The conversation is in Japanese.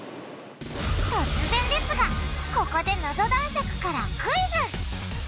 突然ですがここでナゾ男爵からクイズ！